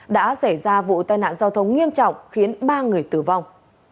đã xảy ra vụ tai nạn giao thông nghiêm trọng khiến ba người tử vong